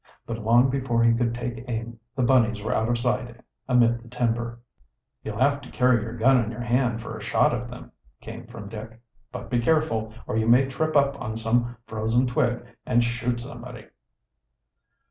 But long before he could take aim the bunnies were out of sight amid the timber. "You'll have to carry your gun in your hand for a shot at them," came from Dick. "But be careful, or you may trip up on some frozen twig and shoot somebody."